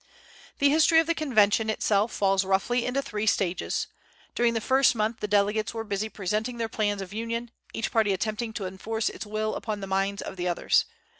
The history of the convention itself falls roughly into three stages: during the first month the delegates were busy presenting their plans of union, each party attempting to enforce its will upon the minds of the others.